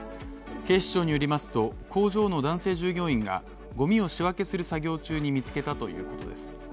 警視庁によりますと、工場の男性従業員がゴミを仕分けする作業中に見つけたということです。